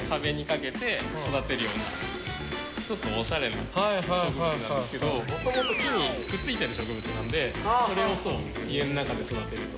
ちょっとオシャレな植物なんですけど元々木にくっついている植物なのでそれを家の中で育てると。